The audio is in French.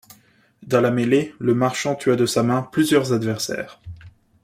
Dans la mêlée, Le Marchant tua de sa main plusieurs adversaires.